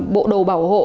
bộ đồ bảo hộ